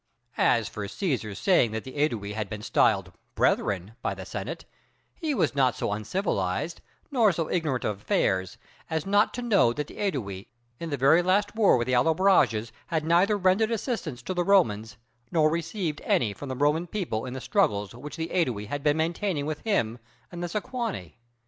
As for Cæsar's saying that the Ædui had been styled 'brethren' by the Senate, he was not so uncivilized nor so ignorant of affairs as not to know that the Ædui in the very last war with the Allobroges had neither rendered assistance to the Romans nor received any from the Roman people in the struggles which the Ædui had been maintaining with him and with the Sequani.